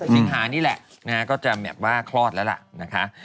สิ่งหานี่แหละนะฮะก็จะแหมกว่าคลอดแล้วล่ะนะฮะ